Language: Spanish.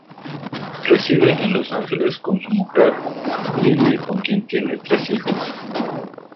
Reside en Los Ángeles con su mujer, Lynne con quien tiene tres hijos.